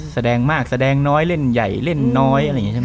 แสดงมากแสดงน้อยเล่นใหญ่เล่นน้อยอะไรอย่างนี้ใช่ไหม